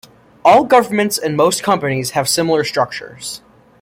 All governments and most companies have similar structures.